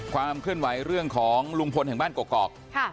ความเคลื่อนไหวเรื่องของลุงพลแห่งบ้านกอก